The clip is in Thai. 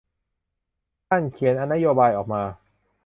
ท่านเขียนนโยบายออกมา